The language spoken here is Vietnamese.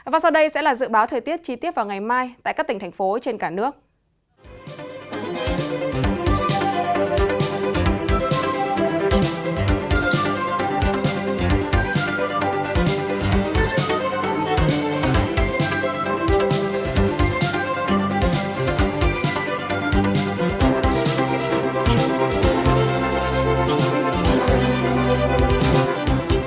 và sau đây sẽ là dự báo thời tiết chi tiết vào ngày mai tại các tỉnh thành phố trên cả nước